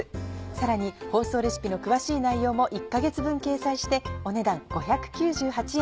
さらに放送レシピの詳しい内容も１か月分掲載してお値段５９８円。